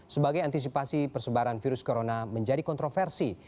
sebagai antisipasi persebaran virus corona menjadi kontroversi